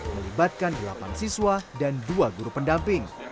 melibatkan delapan siswa dan dua guru pendamping